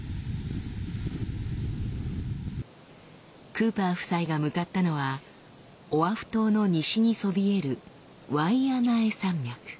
クーパー夫妻が向かったのはオアフ島の西にそびえるワイアナエ山脈。